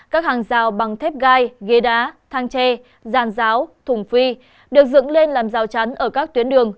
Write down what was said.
các hàng rào bằng thép gai ghế đá thang tre giàn giáo thùng phi được dựng lên làm rào chắn ở các tuyến đường